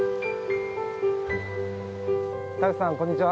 田口さんこんにちは。